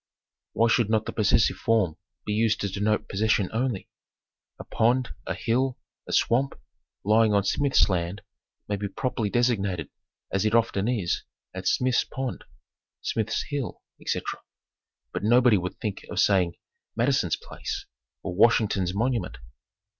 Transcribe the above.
Why should not the possessive form be used to denote possession only? A pond, a hill, a swamp, lying on Smith's land may be properly designated as it often is, as Smith's pond, Smith's hill, ete. But nobody would think of saying Mad ison's Place, or Washington's Monument.